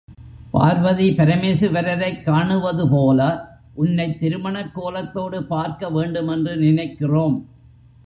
பார்வதி பரமேசுவரரைக் காணுவதுபோல உன்னைத் திருமணக்கோலத்தோடு பார்க்க வேண்டுமென்று நினைக்கிறோம்.